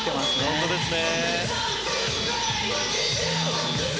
本当ですね。